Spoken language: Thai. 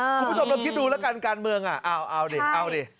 คุณผู้ชมลองคิดดูแล้วกันการเมืองอ่ะเอาดิเอาดิ